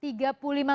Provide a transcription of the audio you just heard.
sudah terisi semua pak